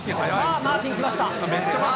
マーティン来ました。